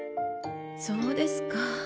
そうですか。